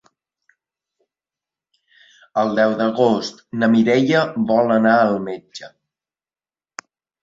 El deu d'agost na Mireia vol anar al metge.